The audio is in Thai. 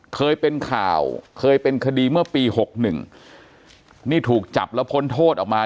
เคยเป็นข่าวเคยเป็นคดีเมื่อปีหกหนึ่งนี่ถูกจับแล้วพ้นโทษออกมา